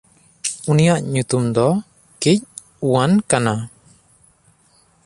ᱩᱱᱤᱭᱟᱜ ᱧᱩᱛᱩᱢ ᱫᱚ ᱠᱤᱡᱩᱣᱟᱱ ᱠᱟᱱᱟ᱾